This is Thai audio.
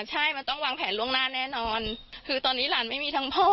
ใช่มันต้องวางแผนล่วงหน้าแน่นอนคือตอนนี้หลานไม่มีทั้งพ่อ